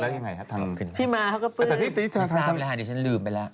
พี่สารเป็นรายาณเดียวฉันลืมไปแล้ว